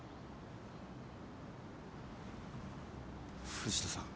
藤田さん